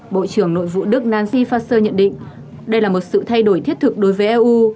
bộ trưởng nội vụ đức nancy fascer nhận định đây là một sự thay đổi thiết thực đối với eu